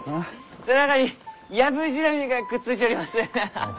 背中にヤブジラミがくっついちょります！